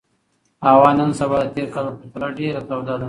هوا نن سبا د تېر کال په پرتله ډېره توده ده.